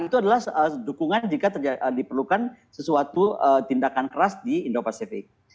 itu adalah dukungan jika diperlukan sesuatu tindakan keras di indo pasifik